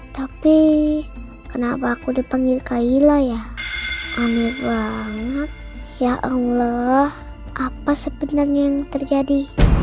tapi kenapa aku dipanggil kayla ya aneh banget ya allah apa sebenarnya yang terjadi